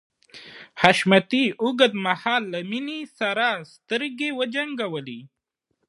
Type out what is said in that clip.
حشمتي اوږد مهال له مينې سره سترګې وجنګولې.